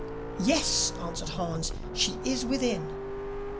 'Yes,' answered Hans, 'she is within.